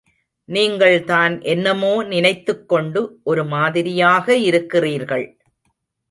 நீங்கள் தான் என்னமோ நினைத்துக் கொண்டு ஒரு மாதிரியாக இருக்கிறீர்கள்.